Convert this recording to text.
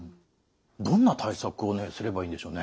どんな対策をすればいいんでしょうね？